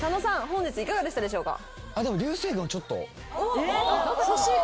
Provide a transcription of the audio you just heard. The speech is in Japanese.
本日いかがでしたでしょうか。